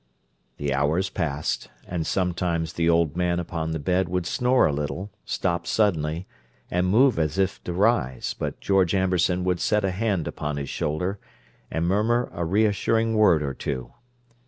The hours passed, and sometimes the old man upon the bed would snore a little, stop suddenly, and move as if to rise, but George Amberson would set a hand upon his shoulder, and murmur a reassuring word or two.